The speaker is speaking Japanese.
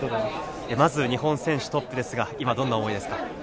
まず日本選手トップですが、今どんな思いですか？